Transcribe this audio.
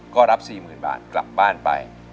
ก็รับ๔๐๐๐บาทกลับบ้านไป